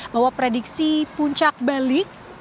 bahwa prediksi puncak balik